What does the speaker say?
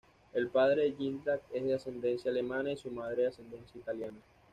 El padre de Jindrak es de ascendencia alemana y su madre de ascendencia italiana.